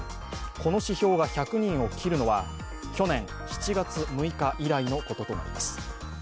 この指標が１００人を切るのは去年７月６日以来のこととなります。